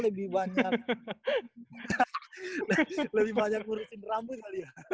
lebih banyak lebih banyak merucut rambut ya